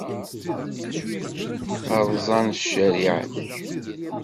Rẓan ccariɛa-k!